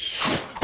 あ。